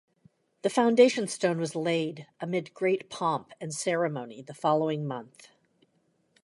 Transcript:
The foundation stone was laid, amid great pomp and ceremony, the following month.